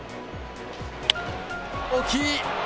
大きい。